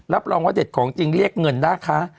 รับรองว่าเด็ดของจริงเรียกเงินนะคะ